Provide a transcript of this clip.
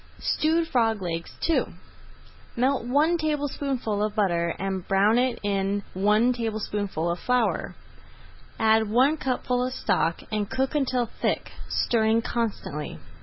[Page 156] STEWED FROG LEGS II Melt one tablespoonful of butter and brown in it one tablespoonful of flour, add one cupful of stock, and cook until thick, stirring constantly.